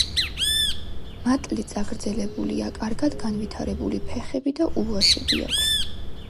მატლი წაგრძელებულია, კარგად განვითარებული ფეხები და ულვაშები აქვს.